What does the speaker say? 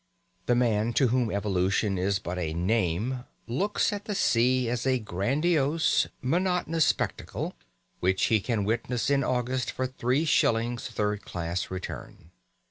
The man to whom evolution is but a name looks at the sea as a grandiose, monotonous spectacle, which he can witness in August for three shillings third class return.